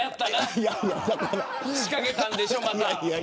仕掛けたんでしょ、また。